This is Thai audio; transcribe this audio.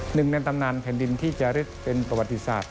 หนึ่งในตำนานแผ่นดินที่จะลึกเป็นประวัติศาสต